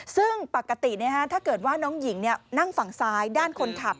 ซึ่งปกติถ้าเกิดว่าน้องหญิงนั่งฝั่งซ้ายด้านคนขับ